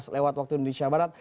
lewat waktu indonesia barat